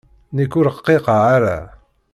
Nekk ur rqiqeɣ ara.